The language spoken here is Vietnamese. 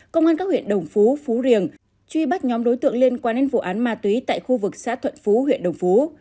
công an các huyện đồng phú phú riềng truy bắt nhóm đối tượng liên quan đến vụ án ma túy tại khu vực xã thuận phú huyện đồng phú